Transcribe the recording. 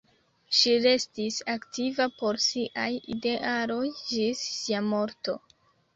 Ŝi restis aktiva por siaj idealoj ĝis sia morto.